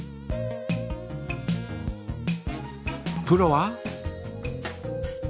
プロは？